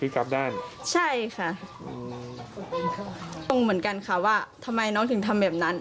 ค่ะใช่ค่ะคุณก็มองเหมือนกันค่ะว่าทำไมน้องถึงทำแบบนั้น